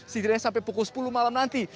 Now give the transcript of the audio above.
setidaknya sampai pukul sepuluh malam nanti